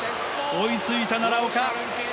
追いついた奈良岡。